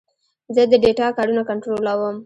زه د ډیټا کارونه کنټرولوم.